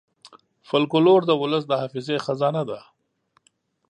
فلکور د ولس د حافظې خزانه ده.